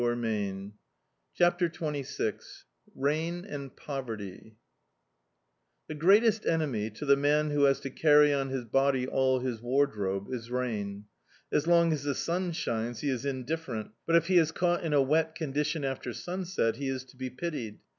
db, Google CHAPTER XXVI RAIN AND POVERTY THE greatest enemy to the man who has to carry on his body all hb wardrobe, is rain. As long as the sun shines be is indifferent, but if he is caught in a wet condition after sunset he is to be pitied.